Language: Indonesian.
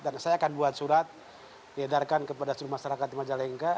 dan saya akan buat surat diedarkan kepada seluruh masyarakat di majalengka